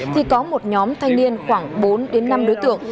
thì có một nhóm thanh niên khoảng bốn đến năm đối tượng